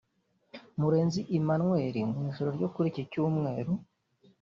Murenzi Emmanuel mu ijoro ryo kuri iki cyumweru